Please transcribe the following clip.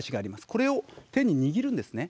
これを手に握るんですね。